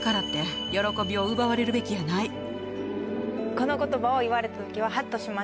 この言葉を言われた時ははっとしました。